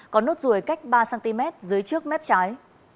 có nốt ruồi cách ba cm dưới trước mép trái